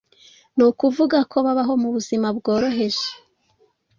Ni ukuvuga ko babaho mu buzima bworoheje.